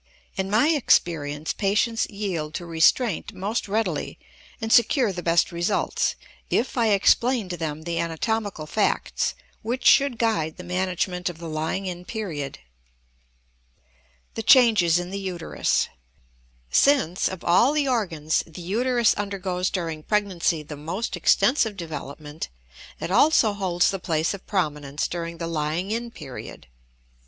In my experience patients yield to restraint most readily, and secure the best results, if I explain to them the anatomical facts which should guide the management of the lying in period. THE CHANGES IN THE UTERUS. Since of all the organs the uterus undergoes during pregnancy the most extensive development, it also holds the place of prominence during the lying in period.